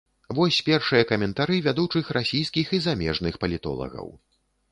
Вось першыя каментары вядучых расійскіх і замежных палітолагаў.